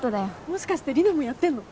もしかしてリナもやってんの？